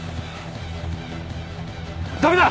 駄目だ！